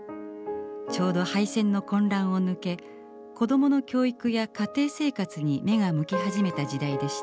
ちょうど敗戦の混乱を抜け子どもの教育や家庭生活に目が向き始めた時代でした。